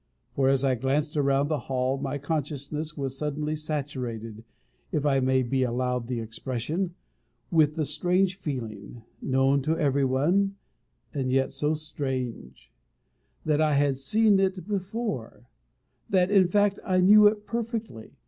For, as I glanced around the hall, my consciousness was suddenly saturated, if I may be allowed the expression, with the strange feeling known to everyone, and yet so strange that I had seen it before; that, in fact, I knew it perfectly.